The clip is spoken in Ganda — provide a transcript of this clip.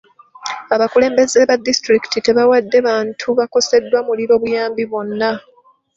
Abakulembeze ba disitulikiti tebawadde bantu baakoseddwa muliro buyambi bwonna.